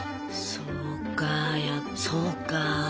そうかいやそうか。